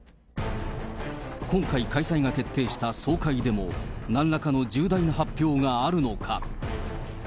今回開催が決定した総会でも、なんらかの重大な発表があるのか。